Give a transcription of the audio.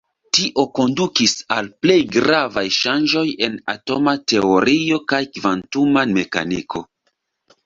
Tio kondukis al plej gravaj ŝanĝoj en atoma teorio kaj kvantuma mekaniko.